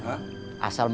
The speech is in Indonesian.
asal mengikuti allah